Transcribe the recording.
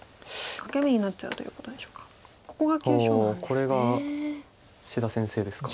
おおこれが志田先生ですか。